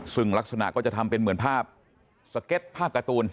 ซึ่งลักษณะก็จะทำเป็นเหมือนภาพสเก็ตภาพการ์ตูน